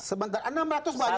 sebentar enam ratus banyak